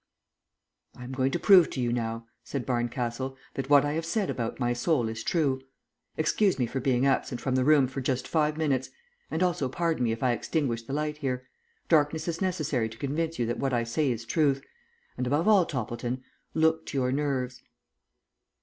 "I am going to prove to you now," said Barncastle, "that what I have said about my soul is true. Excuse me for being absent from the room for just five minutes, and also pardon me if I extinguish the light here. Darkness is necessary to convince you that what I say is truth; and, above all, Toppleton, look to your nerves."